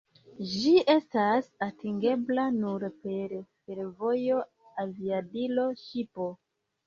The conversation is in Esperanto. Ĝi estas atingebla nur per fervojo, aviadilo, ŝipo.